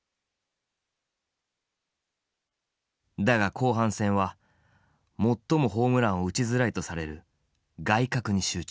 だが後半戦は最もホームランを打ちづらいとされる外角に集中。